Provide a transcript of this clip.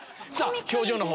表情の方。